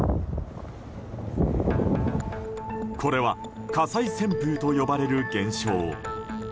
これは火災旋風と呼ばれる現象。